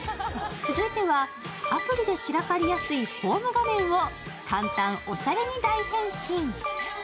続いてはアプリで散らかりやすいホーム画面を簡単おしゃれに大変身。